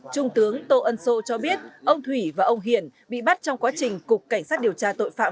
trung tướng tô ân sô cho biết ông thủy và ông hiển bị bắt trong quá trình cục cảnh sát điều tra tội phạm